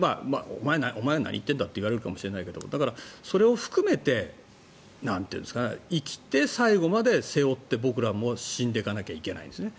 お前は何を言っているんだって言われるかもしれないけどだから、それを含めて生きて最後まで背負って僕らも死んでかなきゃいけないんですね。